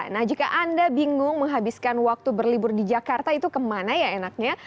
nah jika anda bingung menghabiskan waktu berlibur di jakarta itu kemana ya enaknya